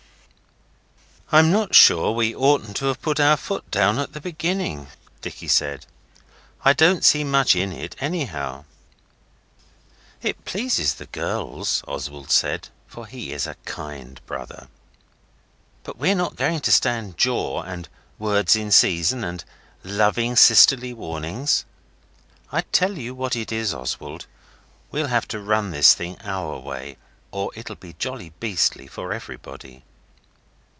'I'm not sure we oughtn't to have put our foot down at the beginning,' Dicky said. 'I don't see much in it, anyhow.' 'It pleases the girls,' Oswald said, for he is a kind brother. 'But we're not going to stand jaw, and "words in season", and "loving sisterly warnings". I tell you what it is, Oswald, we'll have to run this thing our way, or it'll be jolly beastly for everybody.